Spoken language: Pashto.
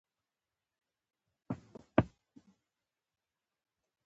نه به واخلي تر قیامته عبرتونه